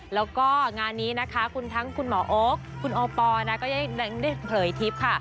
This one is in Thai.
แล้วก็งานนี้นะคะคุณทั้งคุณหมอโอ๊คคุณโอปอลนะก็ได้เผยทิพย์ค่ะ